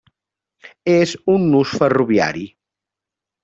És un nus ferroviari.